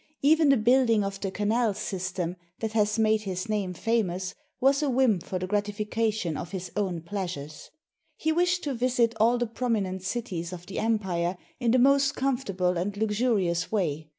Even the building of the canal system that has made his name famous was a whim for the gratification of his own pleasures. He wished to visit all the prominent cities of the empire in the most comfortable and luxurious way.